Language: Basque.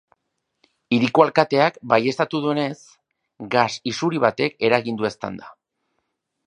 Hiriko alkateak baieztatu duenez, gas isuri batek eragin du eztanda.